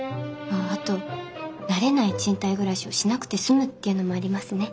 あと慣れない賃貸暮らしをしなくて済むっていうのもありますね。